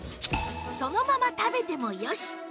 そのまま食べてもよし！